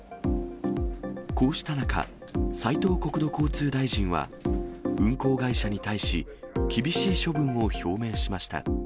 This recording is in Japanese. こうした中、斉藤国土交通大臣は、運航会社に対し、厳しい処分を表明しました。